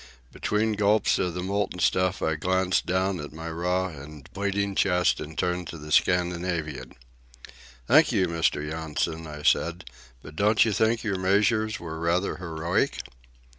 Between gulps of the molten stuff I glanced down at my raw and bleeding chest and turned to the Scandinavian. "Thank you, Mr. Yonson," I said; "but don't you think your measures were rather heroic?"